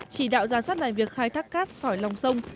chỉ đạo giả soát lại việc khai thác cát xoáy lồng sông